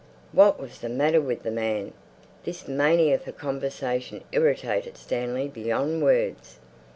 What was the matter with the man? This mania for conversation irritated Stanley beyond words.